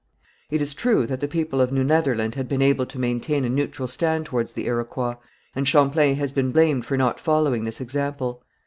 It is true that the people of New Netherland had been able to maintain a neutral stand towards the Iroquois, and Champlain has been blamed for not following this example.